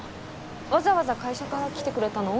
わざわざ会社から来てくれたの？